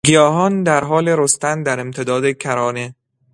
گیاهان در حال رستن در امتداد کرانه